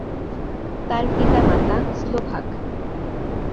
তার পিতা-মাতা স্লোভাক।